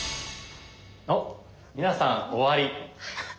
おっ皆さん「終わり」。